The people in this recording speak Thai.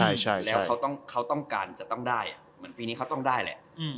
ใช่แล้วเขาต้องการจะต้องได้เหมือนปีนี้เขาต้องได้แหละ